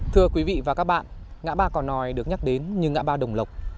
thưa quý vị và các bạn ngã ba cỏ nòi được nhắc đến như ngã ba đồng lộc